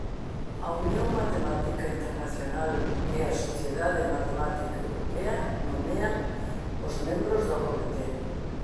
A Unión Matemática Internacional e a Sociedade Matemática Europea nomean os membros do comité.